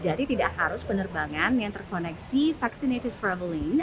jadi tidak harus penerbangan yang terkoneksi vaccinated travel lane